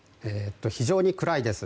非常に暗いです。